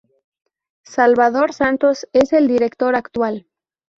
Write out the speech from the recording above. Salvador Santos es el director actual.